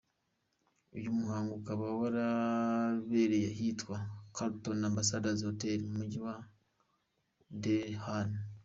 uyu muhango ukaba warabereye ahitwa "Carlton Ambassador Hotel” mu Mujyi wa Den Haag.